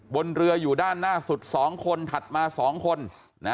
บนเรืออยู่ด้านหน้าสุด๒คนถัดมา๒คน